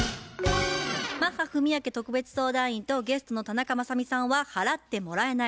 マッハ文朱特別相談員とゲストの田中雅美さんは「払ってもらえない」